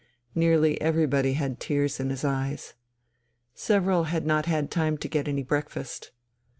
Nearly everybody had tears in his eyes. Several had not had time to get any breakfast.